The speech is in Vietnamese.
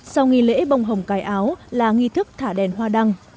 sau nghi lễ bông hồng cài áo là nghi thức thả đèn hoa đăng